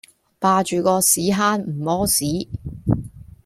霸住個屎坑唔痾屎